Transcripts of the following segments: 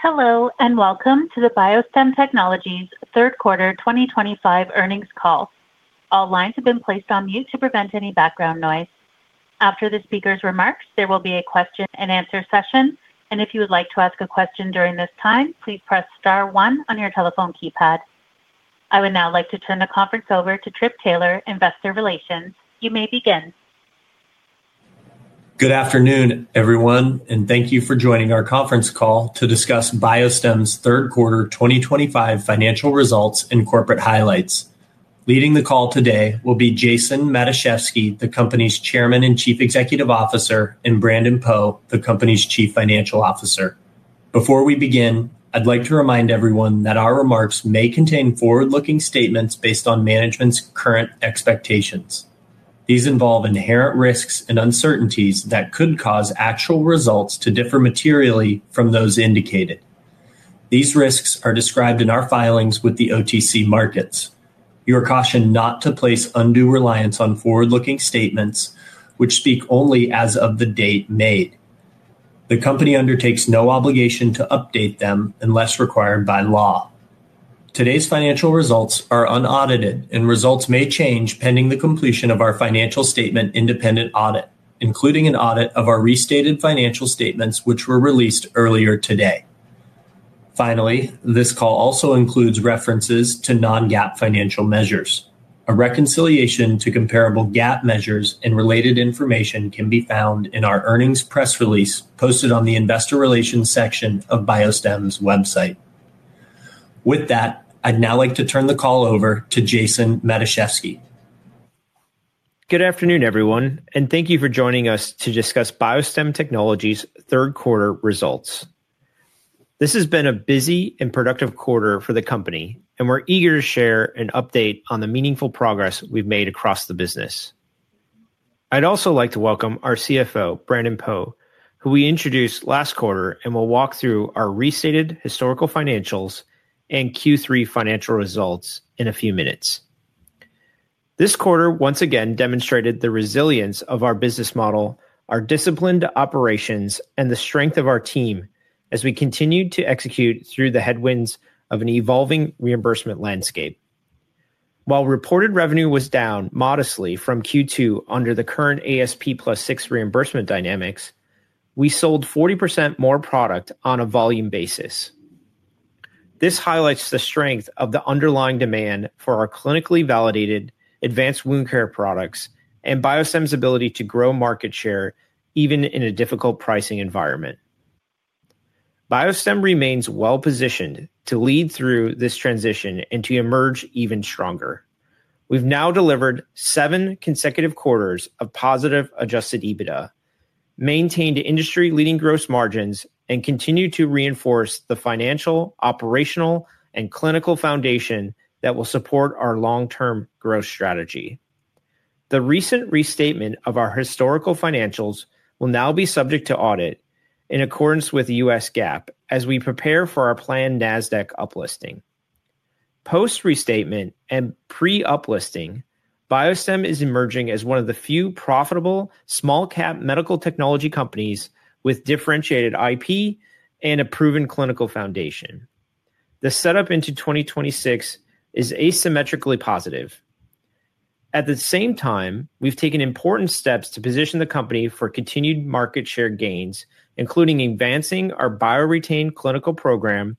Hello, and welcome to the BioStem Technologies' Third Quarter 2025 Earnings Call. All lines have been placed on mute to prevent any background noise. After the speaker's remarks, there will be a question-and-answer session, and if you would like to ask a question during this time, please press star one on your telephone keypad. I would now like to turn the conference over to Trip Taylor, Investor Relations. You may begin. Good afternoon, everyone, and thank you for joining our conference call to discuss BioStem's Third Quarter 2025 financial results and corporate highlights. Leading the call today will be Jason Matuszewski, the company's Chairman and Chief Executive Officer, and Brandon Poe, the company's Chief Financial Officer. Before we begin, I'd like to remind everyone that our remarks may contain forward-looking statements based on management's current expectations. These involve inherent risks and uncertainties that could cause actual results to differ materially from those indicated. These risks are described in our filings with the OTC Markets. You are cautioned not to place undue reliance on forward-looking statements, which speak only as of the date made. The company undertakes no obligation to update them unless required by law. Today's financial results are unaudited, and results may change pending the completion of our financial statement independent audit, including an audit of our restated financial statements, which were released earlier today. Finally, this call also includes references to non-GAAP financial measures. A reconciliation to comparable GAAP measures and related information can be found in our earnings press release posted on the Investor Relations section of BioStem's website. With that, I'd now like to turn the call over to Jason Matuszewski. Good afternoon, everyone, and thank you for joining us to discuss BioStem Technologies' third quarter results. This has been a busy and productive quarter for the company, and we're eager to share an update on the meaningful progress we've made across the business. I'd also like to welcome our CFO, Brandon Poe, who we introduced last quarter and will walk through our restated historical financials and Q3 financial results in a few minutes. This quarter once again demonstrated the resilience of our business model, our disciplined operations, and the strength of our team as we continued to execute through the headwinds of an evolving reimbursement landscape. While reported revenue was down modestly from Q2 under the current ASP plus 6% reimbursement dynamics, we sold 40% more product on a volume basis. This highlights the strength of the underlying demand for our clinically validated advanced wound care products and BioStem's ability to grow market share even in a difficult pricing environment. BioStem remains well positioned to lead through this transition and to emerge even stronger. We've now delivered seven consecutive quarters of positive adjusted EBITDA, maintained industry-leading gross margins, and continued to reinforce the financial, operational, and clinical foundation that will support our long-term growth strategy. The recent restatement of our historical financials will now be subject to audit in accordance with U.S. GAAP as we prepare for our planned NASDAQ uplisting. Post-restatement and pre-uplisting, BioStem is emerging as one of the few profitable small-cap medical technology companies with differentiated IP and a proven clinical foundation. The setup into 2026 is asymmetrically positive. At the same time, we've taken important steps to position the company for continued market share gains, including advancing our BioREtain clinical program,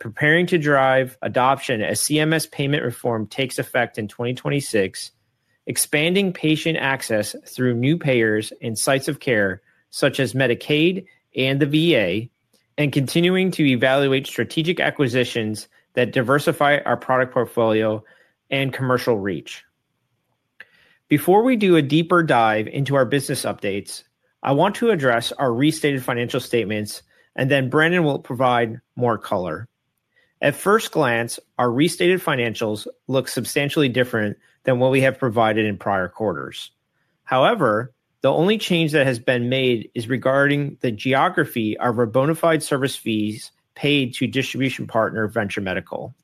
preparing to drive adoption as CMS payment reform takes effect in 2026, expanding patient access through new payers and sites of care such as Medicaid and the VA, and continuing to evaluate strategic acquisitions that diversify our product portfolio and commercial reach. Before we do a deeper dive into our business updates, I want to address our restated financial statements, and then Brandon will provide more color. At first glance, our restated financials look substantially different than what we have provided in prior quarters. However, the only change that has been made is regarding the geography of our bona fide service fees paid to distribution partner Venture Medical.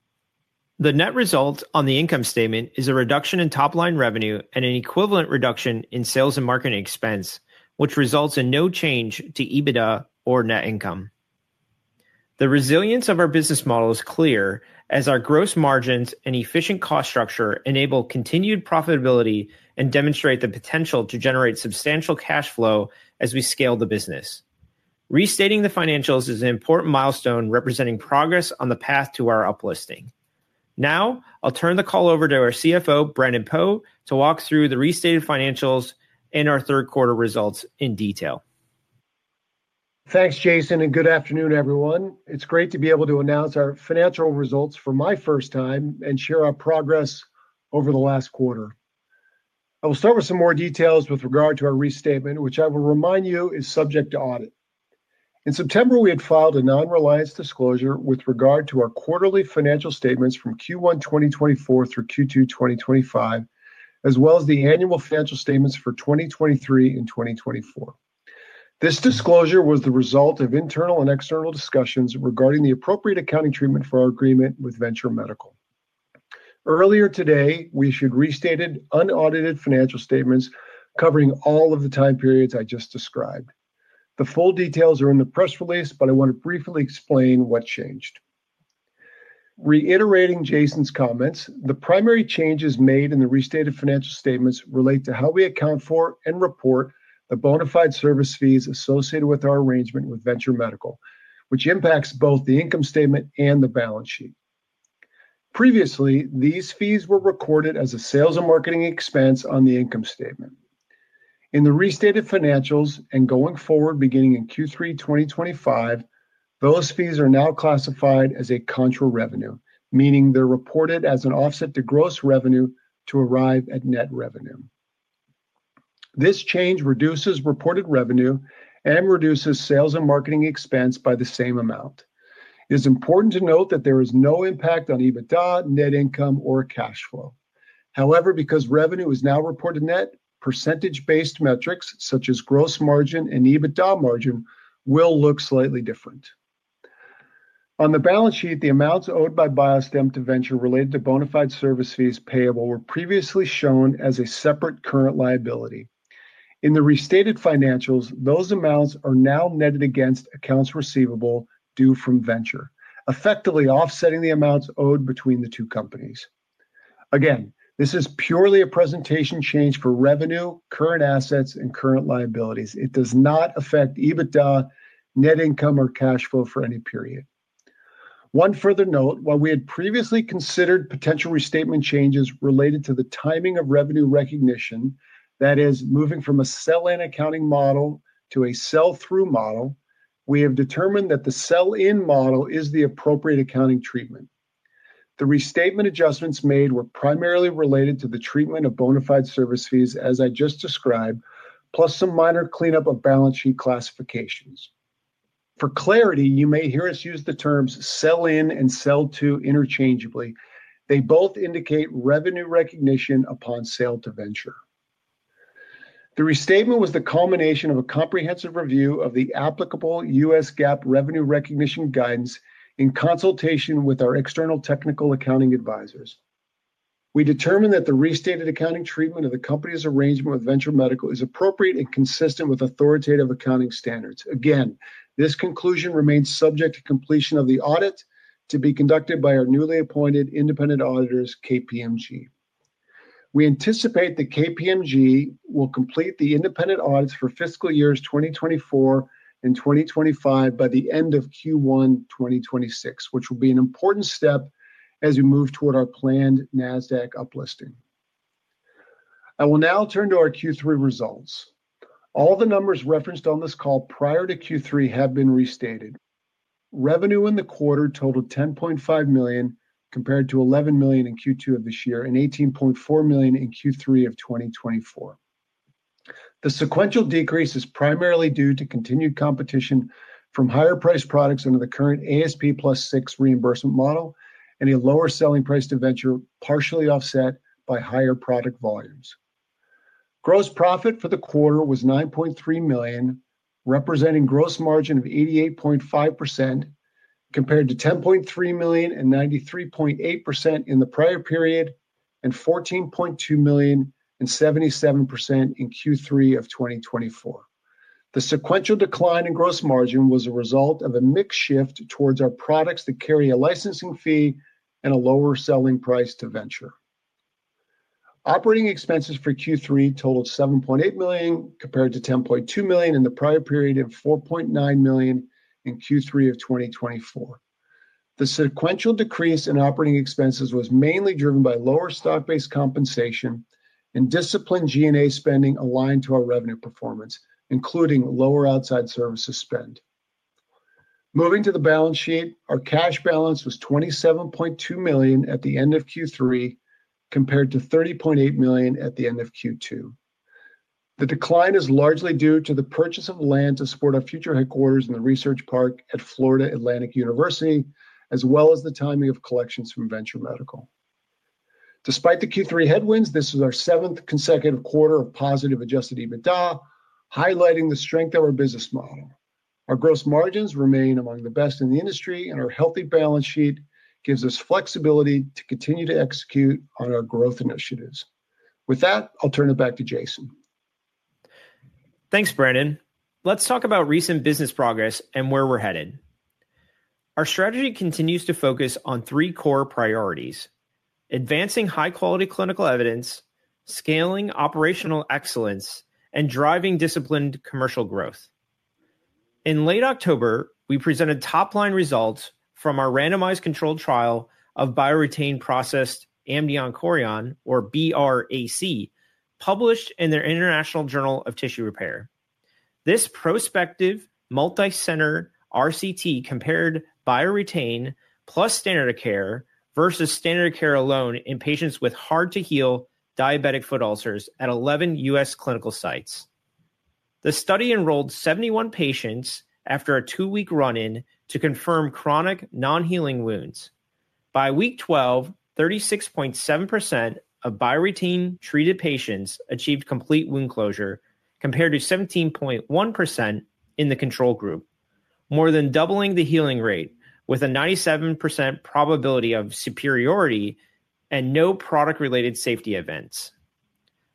The net result on the income statement is a reduction in top-line revenue and an equivalent reduction in sales and marketing expense, which results in no change to EBITDA or net income. The resilience of our business model is clear as our gross margins and efficient cost structure enable continued profitability and demonstrate the potential to generate substantial cash flow as we scale the business. Restating the financials is an important milestone representing progress on the path to our uplisting. Now, I'll turn the call over to our CFO, Brandon Poe, to walk through the restated financials and our third quarter results in detail. Thanks, Jason, and good afternoon, everyone. It's great to be able to announce our financial results for my first time and share our progress over the last quarter. I will start with some more details with regard to our restatement, which I will remind you is subject to audit. In September, we had filed a non-reliance disclosure with regard to our quarterly financial statements from Q1 2024 through Q2 2025, as well as the annual financial statements for 2023 and 2024. This disclosure was the result of internal and external discussions regarding the appropriate accounting treatment for our agreement with Venture Medical. Earlier today, we issued restated unaudited financial statements covering all of the time periods I just described. The full details are in the press release, but I want to briefly explain what changed. Reiterating Jason's comments, the primary changes made in the restated financial statements relate to how we account for and report the bona fide service fees associated with our arrangement with Venture Medical, which impacts both the income statement and the balance sheet. Previously, these fees were recorded as a sales and marketing expense on the income statement. In the restated financials and going forward, beginning in Q3 2025, those fees are now classified as a contra revenue, meaning they're reported as an offset to gross revenue to arrive at net revenue. This change reduces reported revenue and reduces sales and marketing expense by the same amount. It is important to note that there is no impact on EBITDA, net income, or cash flow. However, because revenue is now reported net, percentage-based metrics such as gross margin and EBITDA margin will look slightly different. On the balance sheet, the amounts owed by BioStem to Venture related to bona fide service fees payable were previously shown as a separate current liability. In the restated financials, those amounts are now netted against accounts receivable due from Venture, effectively offsetting the amounts owed between the two companies. Again, this is purely a presentation change for revenue, current assets, and current liabilities. It does not affect EBITDA, net income, or cash flow for any period. One further note, while we had previously considered potential restatement changes related to the timing of revenue recognition, that is, moving from a sell-in accounting model to a sell-through model, we have determined that the sell-in model is the appropriate accounting treatment. The restatement adjustments made were primarily related to the treatment of bona fide service fees, as I just described, plus some minor cleanup of balance sheet classifications. For clarity, you may hear us use the terms sell-in and sell-to interchangeably. They both indicate revenue recognition upon sale to Venture. The restatement was the culmination of a comprehensive review of the applicable U.S. GAAP revenue recognition guidance in consultation with our external technical accounting advisors. We determined that the restated accounting treatment of the company's arrangement with Venture Medical is appropriate and consistent with authoritative accounting standards. Again, this conclusion remains subject to completion of the audit to be conducted by our newly appointed independent auditors, KPMG. We anticipate that KPMG will complete the independent audits for fiscal years 2024 and 2025 by the end of Q1 2026, which will be an important step as we move toward our planned NASDAQ uplisting. I will now turn to our Q3 results. All the numbers referenced on this call prior to Q3 have been restated. Revenue in the quarter totaled $10.5 million compared to $11 million in Q2 of this year and $18.4 million in Q3 of 2024. The sequential decrease is primarily due to continued competition from higher-priced products under the current ASP plus 6% reimbursement model and a lower selling price to Venture, partially offset by higher product volumes. Gross profit for the quarter was $9.3 million, representing gross margin of 88.5% compared to $10.3 million and 93.8% in the prior period and $14.2 million and 77% in Q3 of 2024. The sequential decline in gross margin was a result of a mix shift towards our products that carry a licensing fee and a lower selling price to Venture. Operating expenses for Q3 totaled $7.8 million compared to $10.2 million in the prior period and $4.9 million in Q3 of 2024. The sequential decrease in operating expenses was mainly driven by lower stock-based compensation and disciplined G&A spending aligned to our revenue performance, including lower outside services spend. Moving to the balance sheet, our cash balance was $27.2 million at the end of Q3 compared to $30.8 million at the end of Q2. The decline is largely due to the purchase of land to support our future headquarters in the Research Park at Florida Atlantic University, as well as the timing of collections from Venture Medical. Despite the Q3 headwinds, this is our seventh consecutive quarter of positive adjusted EBITDA, highlighting the strength of our business model. Our gross margins remain among the best in the industry, and our healthy balance sheet gives us flexibility to continue to execute on our growth initiatives. With that, I'll turn it back to Jason. Thanks, Brandon. Let's talk about recent business progress and where we're headed. Our strategy continues to focus on three core priorities: advancing high-quality clinical evidence, scaling operational excellence, and driving disciplined commercial growth. In late October, we presented top-line results from our randomized controlled trial of BioREtain processed Amnion Chorion or BR-AC, published in the International Journal of Tissue Repair. This prospective multi-center RCT compared BioREtain plus standard of care versus standard of care alone in patients with hard-to-heal diabetic foot ulcers at 11 US clinical sites. The study enrolled 71 patients after a two-week run-in to confirm chronic non-healing wounds. By week 12, 36.7% of BioREtain treated patients achieved complete wound closure compared to 17.1% in the control group, more than doubling the healing rate with a 97% probability of superiority and no product-related safety events.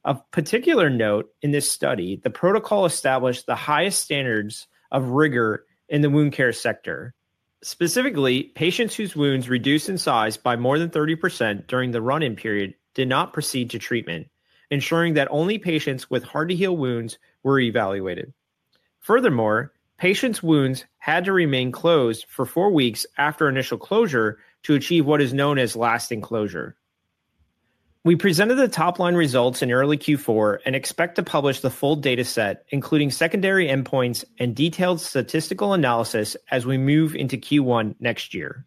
Of particular note in this study, the protocol established the highest standards of rigor in the wound care sector. Specifically, patients whose wounds reduced in size by more than 30% during the run-in period did not proceed to treatment, ensuring that only patients with hard-to-heal wounds were evaluated. Furthermore, patients' wounds had to remain closed for four weeks after initial closure to achieve what is known as lasting closure. We presented the top-line results in early Q4 and expect to publish the full data set, including secondary endpoints and detailed statistical analysis as we move into Q1 next year.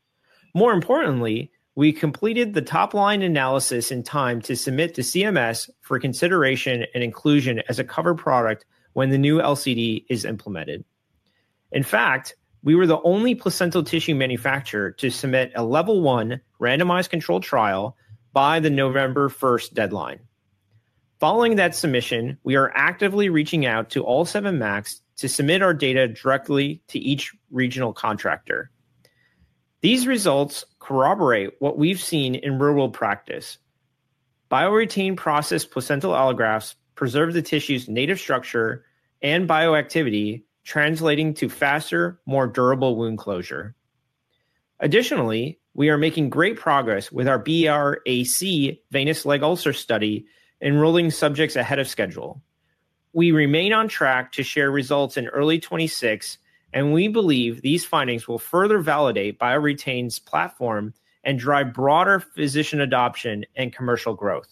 More importantly, we completed the top-line analysis in time to submit to CMS for consideration and inclusion as a cover product when the new LCD is implemented. In fact, we were the only placental tissue manufacturer to submit a level one randomized controlled trial by the November 1st deadline. Following that submission, we are actively reaching out to seven MACs to submit our data directly to each regional contractor. These results corroborate what we've seen in real-world practice. BioREtain processed placental allografts preserve the tissue's native structure and bioactivity, translating to faster, more durable wound closure. Additionally, we are making great progress with our BR-AC venous leg ulcer study, enrolling subjects ahead of schedule. We remain on track to share results in early 2026, and we believe these findings will further validate BioREtain's platform and drive broader physician adoption and commercial growth.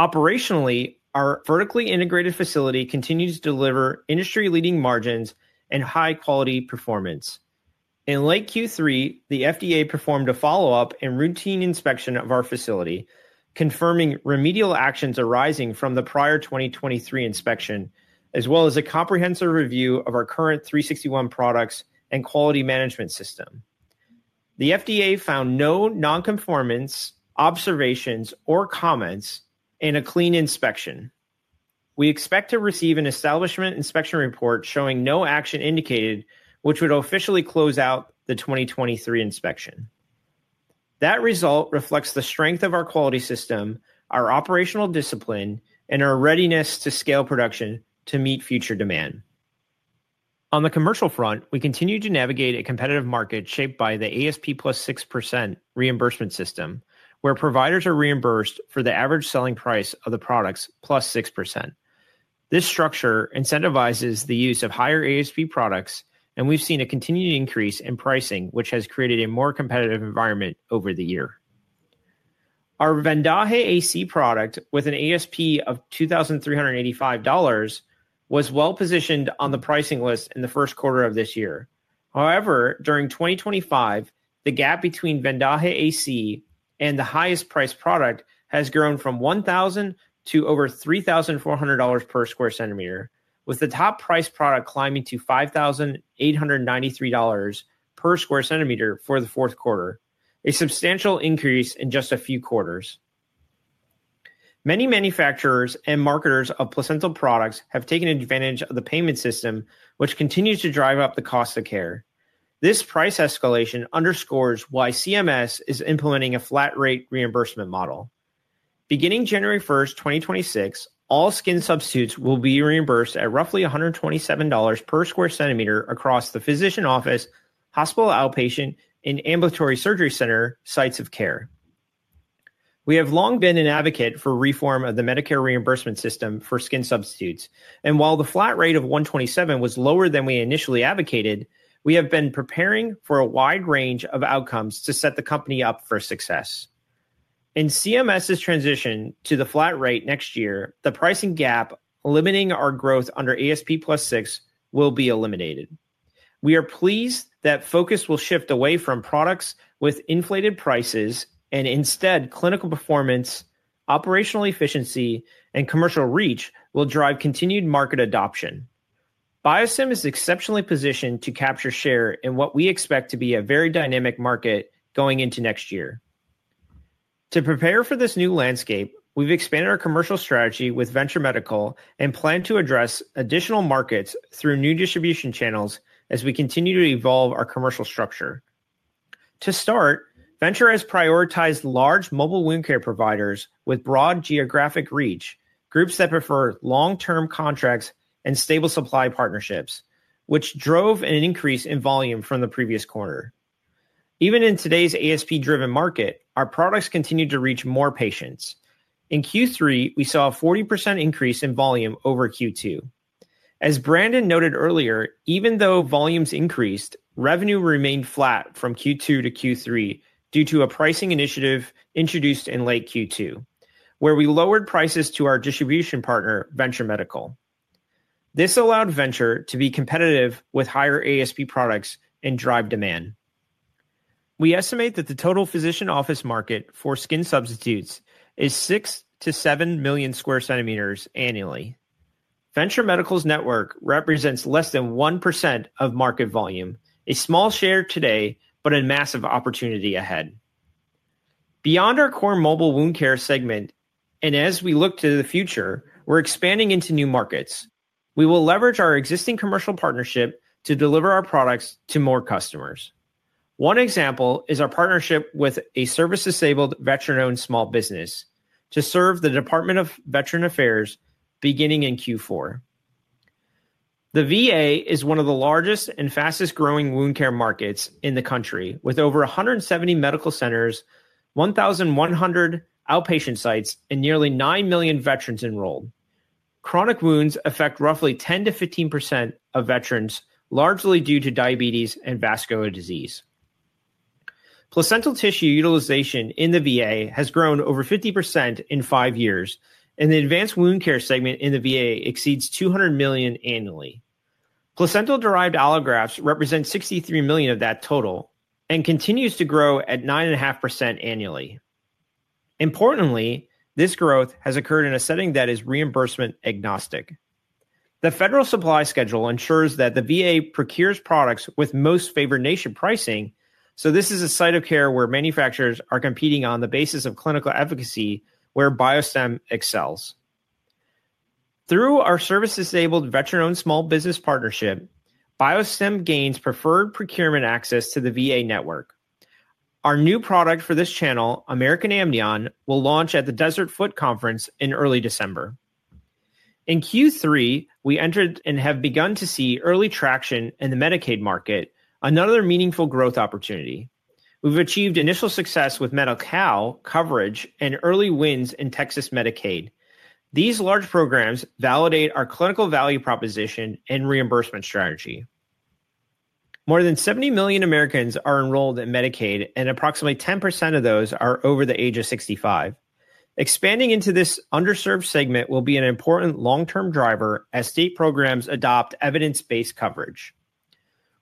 Operationally, our vertically integrated facility continues to deliver industry-leading margins and high-quality performance. In late Q3, the FDA performed a follow-up and routine inspection of our facility, confirming remedial actions arising from the prior 2023 inspection, as well as a comprehensive review of our current 361 products and quality management system. The FDA found no non-conformance observations or comments in a clean inspection. We expect to receive an establishment inspection report showing no action indicated, which would officially close out the 2023 inspection. That result reflects the strength of our quality system, our operational discipline, and our readiness to scale production to meet future demand. On the commercial front, we continue to navigate a competitive market shaped by the ASP plus 6% reimbursement system, where providers are reimbursed for the average selling price of the products plus 6%. This structure incentivizes the use of higher ASP products, and we've seen a continued increase in pricing, which has created a more competitive environment over the year. Our Vendaje AC product, with an ASP of $2,385, was well-positioned on the pricing list in the first quarter of this year. However, during 2025, the gap between Vendaje AC and the highest-priced product has grown from $1,000 to over $3,400 per square centimeter, with the top-priced product climbing to $5,893 per square centimeter for the fourth quarter, a substantial increase in just a few quarters. Many manufacturers and marketers of placental products have taken advantage of the payment system, which continues to drive up the cost of care. This price escalation underscores why CMS is implementing a flat-rate reimbursement model. Beginning January 1st, 2026, all skin substitutes will be reimbursed at roughly $127 per square centimeter across the physician office, hospital outpatient, and ambulatory surgery center sites of care. We have long been an advocate for reform of the Medicare reimbursement system for skin substitutes. While the flat rate of $127 was lower than we initially advocated, we have been preparing for a wide range of outcomes to set the company up for success. In CMS's transition to the flat rate next year, the pricing gap limiting our growth under ASP plus 6% will be eliminated. We are pleased that focus will shift away from products with inflated prices and instead clinical performance, operational efficiency, and commercial reach will drive continued market adoption. BioStem is exceptionally positioned to capture share in what we expect to be a very dynamic market going into next year. To prepare for this new landscape, we've expanded our commercial strategy with Venture Medical and plan to address additional markets through new distribution channels as we continue to evolve our commercial structure. To start, Venture has prioritized large mobile wound care providers with broad geographic reach, groups that prefer long-term contracts and stable supply partnerships, which drove an increase in volume from the previous quarter. Even in today's ASP-driven market, our products continue to reach more patients. In Q3, we saw a 40% increase in volume over Q2. As Brandon noted earlier, even though volumes increased, revenue remained flat from Q2 to Q3 due to a pricing initiative introduced in late Q2, where we lowered prices to our distribution partner, Venture Medical. This allowed Venture to be competitive with higher ASP products and drive demand. We estimate that the total physician office market for skin substitutes is 6 million-7 million square centimeters annually. Venture Medical's network represents less than 1% of market volume, a small share today, but a massive opportunity ahead. Beyond our core mobile wound care segment, and as we look to the future, we are expanding into new markets. We will leverage our existing commercial partnership to deliver our products to more customers. One example is our partnership with a service-disabled veteran-owned small business to serve the Department of Veterans Affairs beginning in Q4. The VA is one of the largest and fastest-growing wound care markets in the country, with over 170 medical centers, 1,100 outpatient sites, and nearly 9 million veterans enrolled. Chronic wounds affect roughly 10%-15% of veterans, largely due to diabetes and vascular disease. Placental tissue utilization in the VA has grown over 50% in five years, and the advanced wound care segment in the VA exceeds $200 million annually. Placental-derived allografts represent $63 million of that total and continue to grow at 9.5% annually. Importantly, this growth has occurred in a setting that is reimbursement agnostic. The federal supply schedule ensures that the VA procures products with most favored nation pricing, so this is a site of care where manufacturers are competing on the basis of clinical efficacy, where BioStem excels. Through our service-disabled veteran-owned small business partnership, BioStem gains preferred procurement access to the VA network. Our new product for this channel, American Amnion, will launch at the Desert Foot Conference in early December. In Q3, we entered and have begun to see early traction in the Medicaid market, another meaningful growth opportunity. We've achieved initial success with Medi-Cal coverage and early wins in Texas Medicaid. These large programs validate our clinical value proposition and reimbursement strategy. More than 70 million Americans are enrolled in Medicaid, and approximately 10% of those are over the age of 65. Expanding into this underserved segment will be an important long-term driver as state programs adopt evidence-based coverage.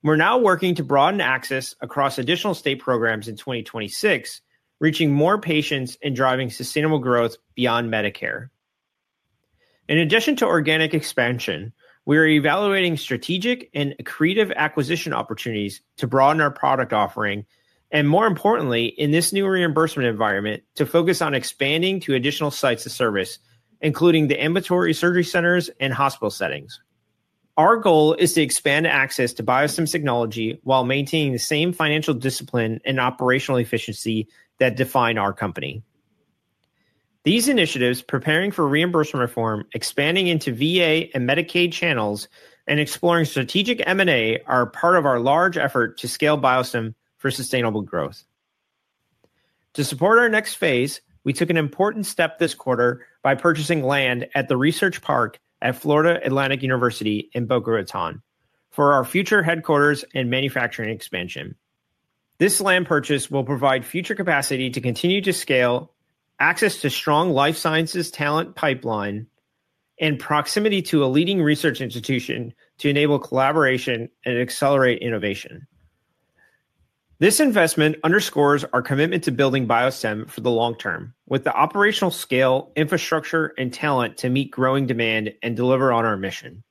We're now working to broaden access across additional state programs in 2026, reaching more patients and driving sustainable growth beyond Medicare. In addition to organic expansion, we are evaluating strategic and accretive acquisition opportunities to broaden our product offering, and more importantly, in this new reimbursement environment, to focus on expanding to additional sites of service, including the ambulatory surgery centers and hospital settings. Our goal is to expand access to BioStem Technologies while maintaining the same financial discipline and operational efficiency that define our company. These initiatives, preparing for reimbursement reform, expanding into VA and Medicaid channels, and exploring strategic M&A are part of our large effort to scale BioStem for sustainable growth. To support our next phase, we took an important step this quarter by purchasing land at the Research Park at Florida Atlantic University in Boca Raton for our future headquarters and manufacturing expansion. This land purchase will provide future capacity to continue to scale, access to strong life sciences talent pipeline, and proximity to a leading research institution to enable collaboration and accelerate innovation. This investment underscores our commitment to building BioStem for the long term, with the operational scale, infrastructure, and talent to meet growing demand and deliver on our mission.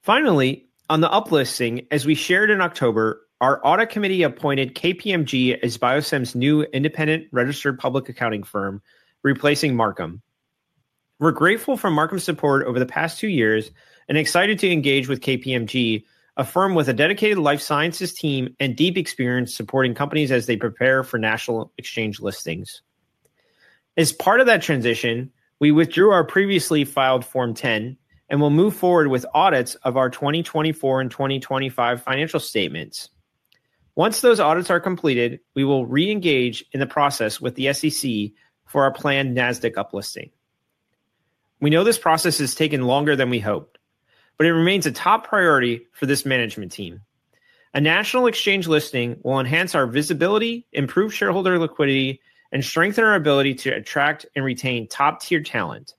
Finally, on the uplisting, as we shared in October, our audit committee appointed KPMG as BioStem's new independent registered public accounting firm, replacing Markham. We're grateful for Markham's support over the past two years and excited to engage with KPMG, a firm with a dedicated life sciences team and deep experience supporting companies as they prepare for national exchange listings. As part of that transition, we withdrew our previously filed Form 10 and will move forward with audits of our 2024 and 2025 financial statements. Once those audits are completed, we will re-engage in the process with the SEC for our planned NASDAQ uplisting. We know this process has taken longer than we hoped, but it remains a top priority for this management team. A national exchange listing will enhance our visibility, improve shareholder liquidity, and strengthen our ability to attract and retain top-tier talent.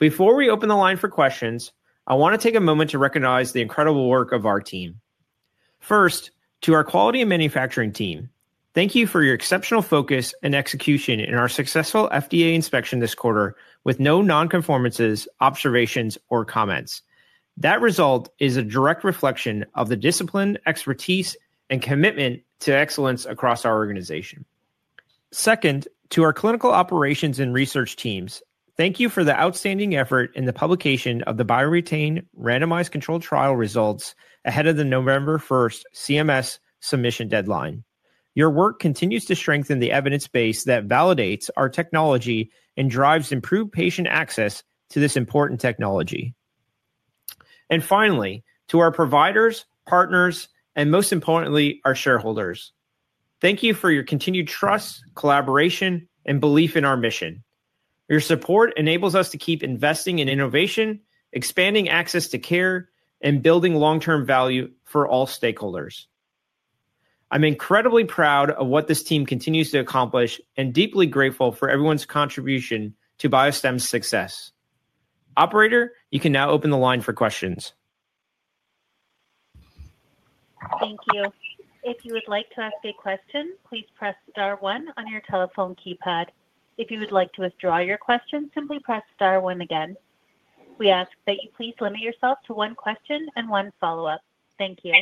Before we open the line for questions, I want to take a moment to recognize the incredible work of our team. First, to our quality and manufacturing team, thank you for your exceptional focus and execution in our successful FDA inspection this quarter with no non-conformances, observations, or comments. That result is a direct reflection of the discipline, expertise, and commitment to excellence across our organization. Second, to our clinical operations and research teams, thank you for the outstanding effort in the publication of the BioREtain randomized controlled trial results ahead of the November 1st CMS submission deadline. Your work continues to strengthen the evidence base that validates our technology and drives improved patient access to this important technology. Finally, to our providers, partners, and most importantly, our shareholders, thank you for your continued trust, collaboration, and belief in our mission. Your support enables us to keep investing in innovation, expanding access to care, and building long-term value for all stakeholders. I'm incredibly proud of what this team continues to accomplish and deeply grateful for everyone's contribution to BioStem's success. Operator, you can now open the line for questions. Thank you. If you would like to ask a question, please press star one on your telephone keypad. If you would like to withdraw your question, simply press star one again. We ask that you please limit yourself to one question and one follow-up. Thank you.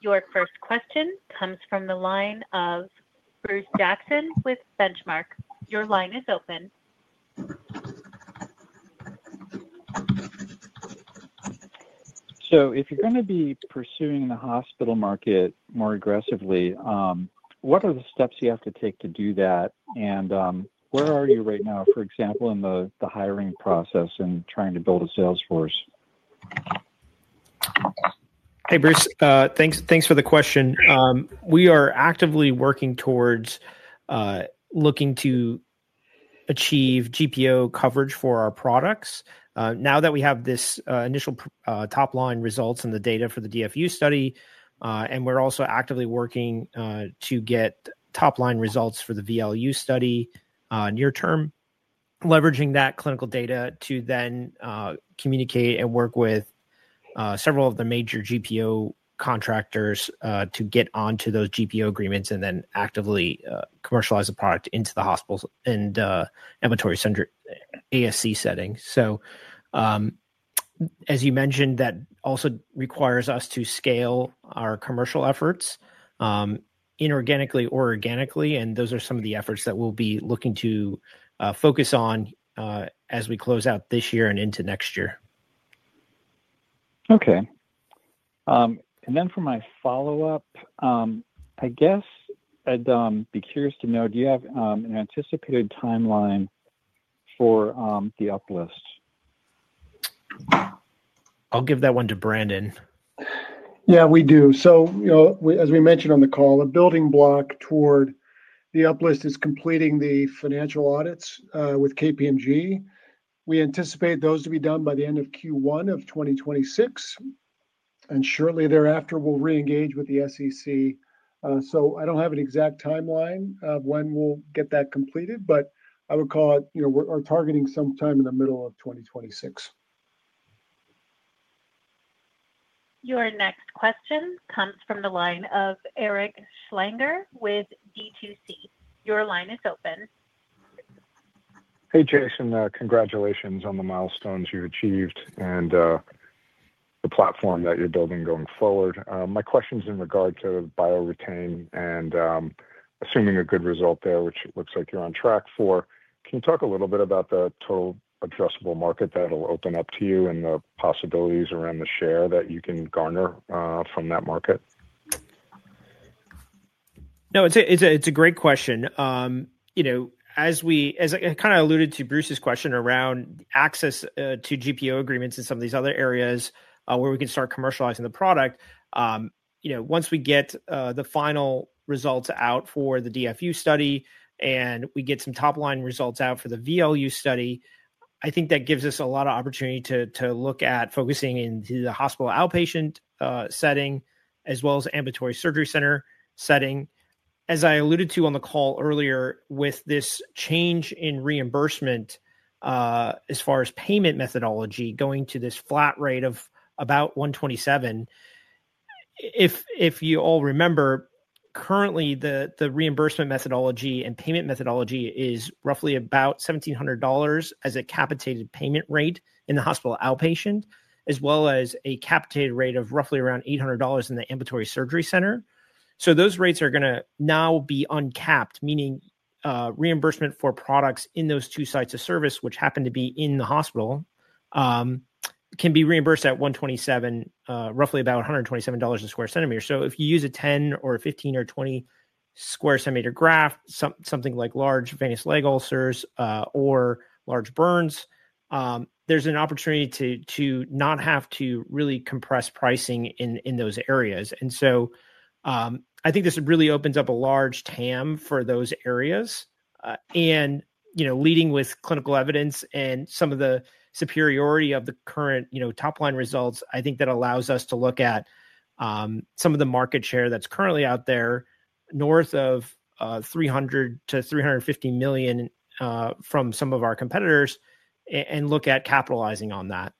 Your first question comes from the line of Bruce Jackson with Benchmark. Your line is open. If you're going to be pursuing the hospital market more aggressively, what are the steps you have to take to do that? Where are you right now, for example, in the hiring process and trying to build a sales force? Hey, Bruce. Thanks for the question. We are actively working towards looking to achieve GPO coverage for our products now that we have this initial top-line results and the data for the DFU study. We are also actively working to get top-line results for the VLU study near term, leveraging that clinical data to then communicate and work with several of the major GPO contractors to get onto those GPO agreements and then actively commercialize the product into the hospitals and inventory center ASC settings. As you mentioned, that also requires us to scale our commercial efforts inorganically or organically. Those are some of the efforts that we will be looking to focus on as we close out this year and into next year. Okay. For my follow-up, I guess I'd be curious to know, do you have an anticipated timeline for the uplist? I'll give that one to Brandon. Yeah, we do. As we mentioned on the call, a building block toward the uplist is completing the financial audits with KPMG. We anticipate those to be done by the end of Q1 of 2026. Shortly thereafter, we'll re-engage with the SEC. I don't have an exact timeline of when we'll get that completed, but I would call it we're targeting sometime in the middle of 2026. Your next question comes from the line of Eric Schlanger with D2C. Your line is open. Hey, Jason. Congratulations on the milestones you've achieved and the platform that you're building going forward. My question's in regard to BioREtain and assuming a good result there, which looks like you're on track for. Can you talk a little bit about the total addressable market that'll open up to you and the possibilities around the share that you can garner from that market? No, it's a great question. As I kind of alluded to Bruce's question around access to GPO agreements and some of these other areas where we can start commercializing the product, once we get the final results out for the DFU study and we get some top-line results out for the VLU study, I think that gives us a lot of opportunity to look at focusing into the hospital outpatient setting as well as ambulatory surgery center setting. As I alluded to on the call earlier, with this change in reimbursement as far as payment methodology going to this flat rate of about $127, if you all remember, currently, the reimbursement methodology and payment methodology is roughly about $1,700 as a capitated payment rate in the hospital outpatient, as well as a capitated rate of roughly around $800 in the ambulatory surgery center. Those rates are going to now be uncapped, meaning reimbursement for products in those two sites of service, which happen to be in the hospital, can be reimbursed at $127, roughly about $127 a square centimeter. If you use a 10 or a 15 or a 20 square centimeter graft, something like large venous leg ulcers or large burns, there is an opportunity to not have to really compress pricing in those areas. I think this really opens up a large TAM for those areas. Leading with clinical evidence and some of the superiority of the current top-line results, I think that allows us to look at some of the market share that is currently out there north of $300 million-$350 million from some of our competitors and look at capitalizing on that.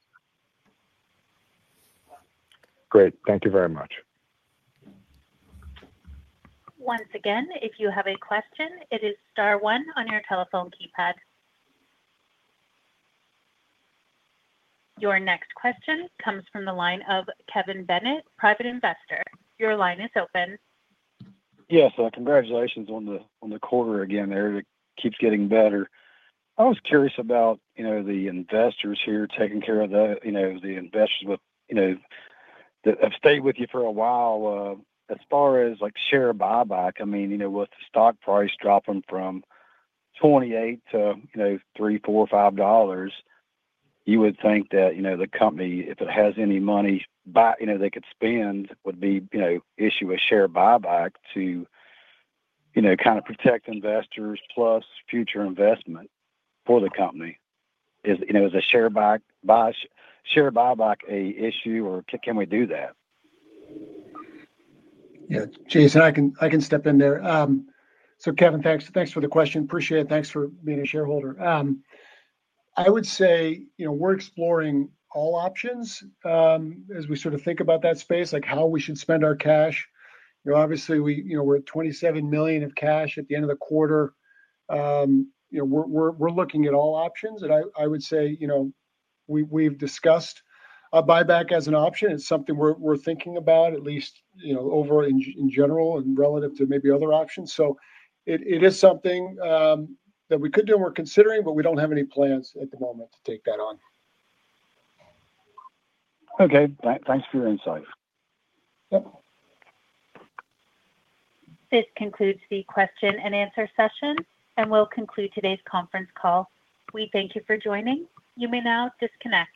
Great. Thank you very much. Once again, if you have a question, it is star one on your telephone keypad. Your next question comes from the line of Kevin Bennett, private investor. Your line is open. Yes. Congratulations on the quarter again. It keeps getting better. I was curious about the investors here taking care of the investors that have stayed with you for a while. As far as share buyback, I mean, with the stock price dropping from $28 to $3, $4, $5, you would think that the company, if it has any money they could spend, would be issuing a share buyback to kind of protect investors plus future investment for the company. Is a share buyback an issue, or can we do that? Yeah. Jason, I can step in there. So Kevin, thanks for the question. Appreciate it. Thanks for being a shareholder. I would say we're exploring all options as we sort of think about that space, how we should spend our cash. Obviously, we're at $27 million of cash at the end of the quarter. We're looking at all options. I would say we've discussed a buyback as an option. It's something we're thinking about, at least over in general and relative to maybe other options. It is something that we could do and we're considering, but we don't have any plans at the moment to take that on. Okay. Thanks for your insight. Yep. This concludes the question and answer session, and we'll conclude today's conference call. We thank you for joining. You may now disconnect.